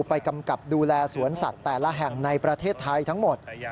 กำกับดูแลสวนสัตว์แต่ละแห่งในประเทศไทยทั้งหมด